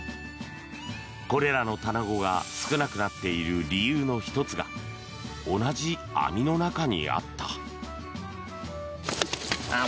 これらのタナゴが少なくなっている理由の１つが同じ網の中にあった。